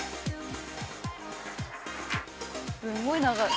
すごい長い。